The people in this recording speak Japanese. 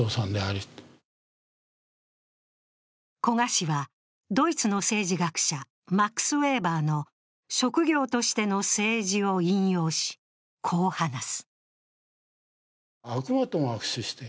古賀氏はドイツの政治学者、マックス・ウェーバーの「職業としての政治」を引用し、こう話す。